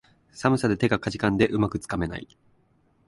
寒さで手がかじかんで、うまくつかめない